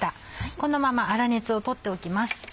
このまま粗熱をとっておきます。